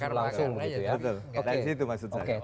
ada sedikit bakar bakar